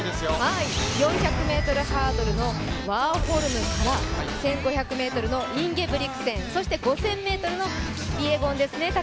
４００ｍハードルのワーホルムから１５００ｍのインゲブリクセン、そして５０００ｍのキピエゴンですね。